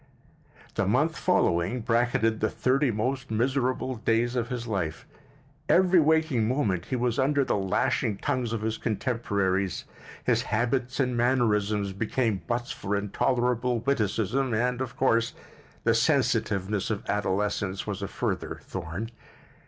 The month following bracketed the thirty most miserable days of his life. Every waking moment he was under the lashing tongues of his contemporaries; his habits and mannerisms became butts for intolerable witticisms and, of course, the sensitiveness of adolescence was a further thorn.